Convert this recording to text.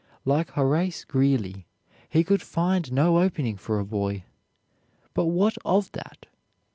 Like Horace Greeley, he could find no opening for a boy; but what of that?